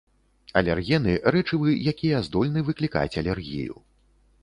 Алергены, рэчывы, якія здольны выклікаць алергію.